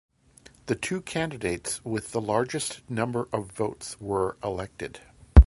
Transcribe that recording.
The two candidates with the largest number of votes were elected.